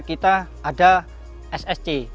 kita ada ssc